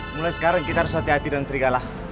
mulai sekarang kita harus hati hati dengan serigala